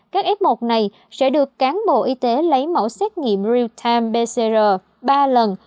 các f một này sẽ được cán bộ y tế lấy mẫu xét nghiệm real time pcr ba lần